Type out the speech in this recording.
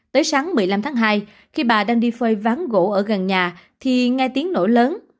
tới sáng một mươi năm tháng hai khi bà đang đi phơi ván gỗ ở gần nhà thì nghe tiếng nổ lớn